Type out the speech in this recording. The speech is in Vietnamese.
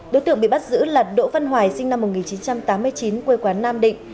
đối tượng bị bắt giữ là đỗ văn hoài sinh năm một nghìn chín trăm tám mươi chín quê quán nam định